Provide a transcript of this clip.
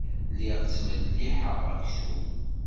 Lliɣ ttmelliḥeɣ aksum.